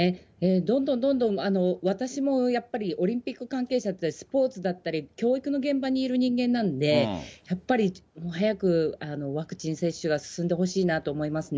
どんどんどんどん私もやっぱりオリンピック関係者っていうのは、スポーツだったり教育の現場にいる人間なので、やっぱり早くワクチン接種が進んでほしいなと思いますね。